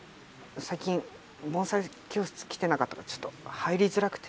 最近盆栽教室来てなかったからちょっと入りづらくて。